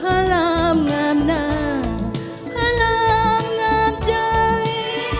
พระรามงามหน้าพระรามงามใจ